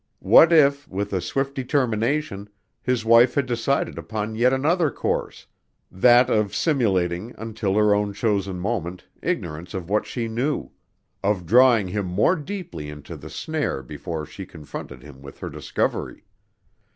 What if, with a swift determination, his wife had decided upon yet another course: that of simulating until her own chosen moment ignorance of what she knew: of drawing him more deeply into the snare before she confronted him with her discovery?